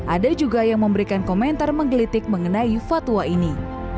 ada juga yang memberikan komentar menggelitik mengenai fatwa ini